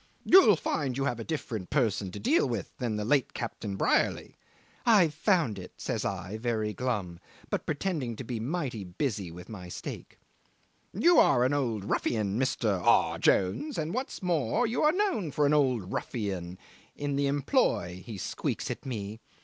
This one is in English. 'You'll find you have a different person to deal with than the late Captain Brierly.' 'I've found it,' says I, very glum, but pretending to be mighty busy with my steak. 'You are an old ruffian, Mister aw Jones; and what's more, you are known for an old ruffian in the employ,' he squeaks at me.